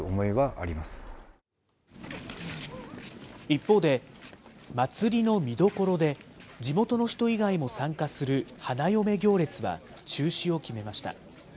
一方で、祭りの見どころで、地元の人以外も参加する花嫁行列は中止を決めました。